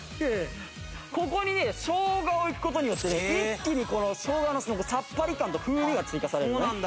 ここに生姜をいく事によって一気に生姜のさっぱり感と風味が追加されるのね。